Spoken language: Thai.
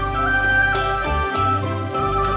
ตอนต่อไป